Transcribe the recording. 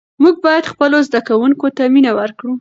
موږ باید خپلو زده کوونکو ته مینه ورکړو.